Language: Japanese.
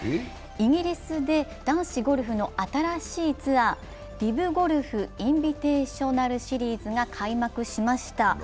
イギリスで男子ゴルフの新しいツアー、ＬＩＶゴルフ・インビテーショナルズが開幕しました。